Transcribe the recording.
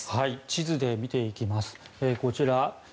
地図で見ていきます。